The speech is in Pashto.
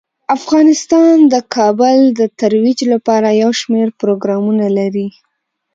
افغانستان د کابل د ترویج لپاره یو شمیر پروګرامونه لري.